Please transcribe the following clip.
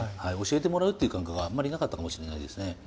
教えてもらうっていう感覚はあんまりなかったかもしれないですね。